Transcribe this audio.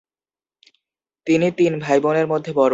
তিনি তিন ভাইবোনের মধ্যে বড়।